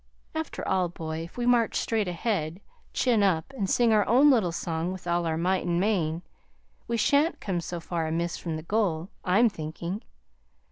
After all, boy, if we march straight ahead, chin up, and sing our own little song with all our might and main, we shan't come so far amiss from the goal, I'm thinking.